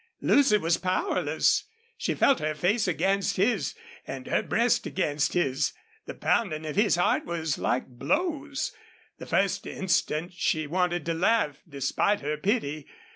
Lucy was powerless. She felt her face against his and her breast against his. The pounding of his heart was like blows. The first instant she wanted to laugh, despite her pity.